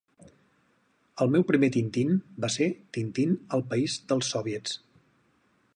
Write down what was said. El meu primer Tintín va ser Tintín al país dels Sòviets